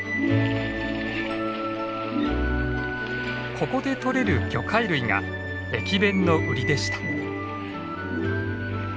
ここでとれる魚介類が駅弁のウリでした。